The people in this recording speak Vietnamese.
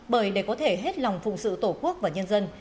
bởi để có thể hết lòng phụng sự tổ quốc và nhân dân